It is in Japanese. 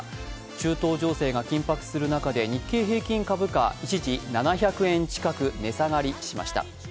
中東情勢が緊迫する中で、日経平均株価一時、７００円近く値下がりしました。